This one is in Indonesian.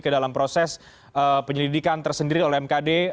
ke dalam proses penyelidikan tersendiri oleh mkd